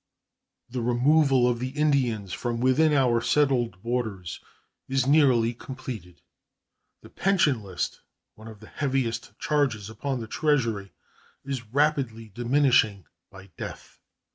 The removal of the Indians from within our settled borders is nearly completed. The pension list, one of the heaviest charges upon the Treasury, is rapidly diminishing by death.